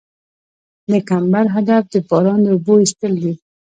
د کمبر هدف د باران د اوبو ایستل دي